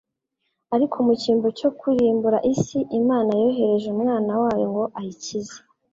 Ariko mu cyimbo cyo kurimbura isi, Imana yohereje Umwana wayo ngo ayikize.